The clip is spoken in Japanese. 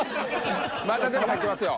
まだでも入ってますよ。